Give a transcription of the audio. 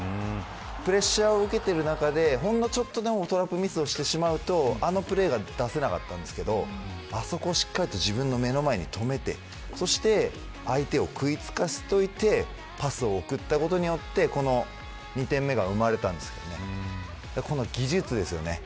プレッシャーを受けている中でほんのちょっとでもトラップをミスしてしまうとあのプレーが出せなかったんですけどあそこを、しっかりと自分の目の前に止めてそして相手を食いつかせておいてパスを送ったことによってさあ、メッシのインタビュー